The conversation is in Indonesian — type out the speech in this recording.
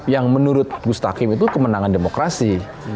yang menurut gustaf kim itu kemenangan demokrasi